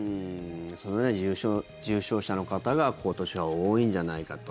そのような重症者の方が今年は多いんじゃないかと。